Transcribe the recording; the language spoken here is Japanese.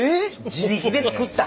自力で作った？